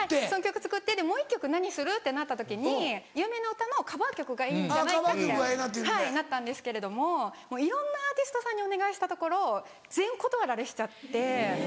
その曲作ってもう１曲何にする？ってなった時に有名な歌のカバー曲がいいんじゃないかってなったんですけれどもいろんなアーティストさんにお願いしたところ全断られしちゃって。